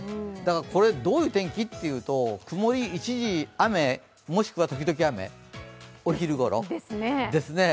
これ、どういう天気というと、曇り一時雨もしくは時々雨、お昼頃ですね。